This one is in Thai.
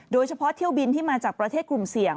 โดยเฉพาะเที่ยวบินที่มาจากประเทศกลุ่มเสี่ยง